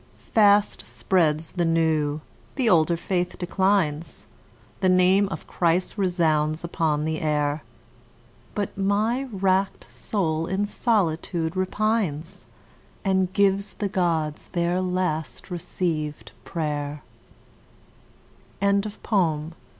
Fast spreads the new; the older faith declines. The name of Christ resounds upon the air. But my wrack'd soul in solitude repines And gives the Gods their last receivèd pray'r. Retrieved from "https://en.